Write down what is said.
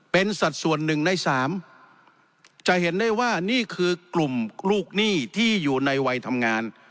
เป็นสัดส่วนหนึ่งในสามจะเห็นได้ว่านี่คือกลุ่มลูกหนี้ที่อยู่ในวัยทำงาน